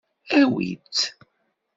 Awi-tt.